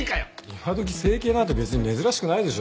今どき整形なんて別に珍しくないでしょ。